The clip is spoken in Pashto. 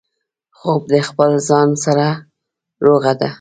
خوب د خپل ځان سره روغه ده